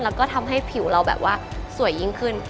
แล้วก็ทำให้ผิวเราแบบว่าสวยยิ่งขึ้น